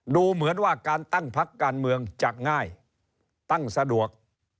ดูเหมือนว่าการตั้งพักการเมืองจะง่ายตั้งสะดวก